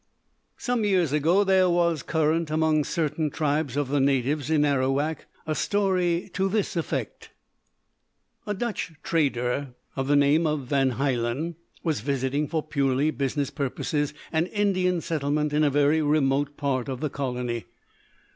Some years ago there was current, among certain tribes of the natives in Arawak, a story to this effect: A Dutch trader, of the name of Van Hielen, was visiting for purely business purposes an Indian settlement in a very remote part of the colony.